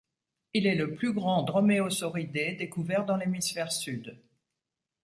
Il est le plus grand dromaeosauridé découvert dans l'hémisphère sud.